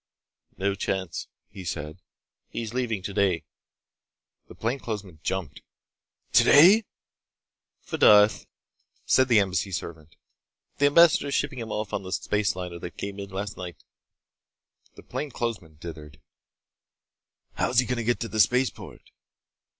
"No chance," he said, "he's leaving today." The plainclothesman jumped. "Today?" "For Darth," said the Embassy servant. "The ambassador's shipping him off on the space liner that came in last night." The plainclothesman dithered. "How's he going to get to the spaceport?"